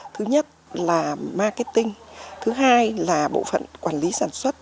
thứ nhất là marketing thứ hai là bộ phận quản lý sản xuất